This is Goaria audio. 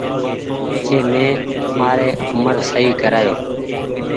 پڇي مين مآري اومر سئي ڪرايو